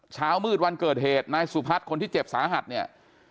เช้ามืดวันเกิดเหตุนายสุพัฒน์คนที่เจ็บสาหัสเนี่ย